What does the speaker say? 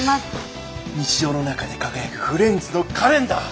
日常の中で輝くフレンズのカレンダー。